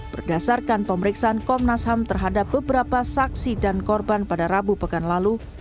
berdasarkan pemeriksaan komnas ham terhadap beberapa saksi dan korban pada rabu pekan lalu